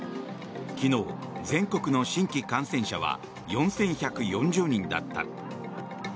昨日、全国の新規感染者は４１４０人だった。